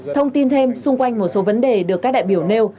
thông tin thêm xung quanh một số vấn đề được các đại biểu nêu